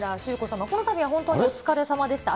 さま、このたびは本当にお疲れさまでした。